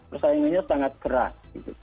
persaingannya sangat keras